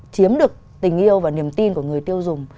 chiếm được tình yêu và niềm tin của người tiêu dùng